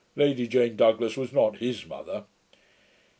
Lady Jane Douglas was not HIS mother.'